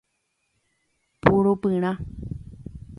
Purupyrã